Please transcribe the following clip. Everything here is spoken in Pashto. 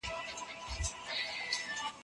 خلګ اوس يووالی غواړي.